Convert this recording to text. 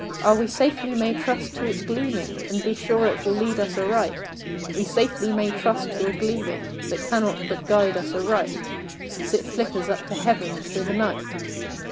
Ah, we safely may trust to its gleaming, And be sure it will lead us aright We safely may trust to a gleaming That cannot but guide us aright, Since it flickers up to Heaven through the night."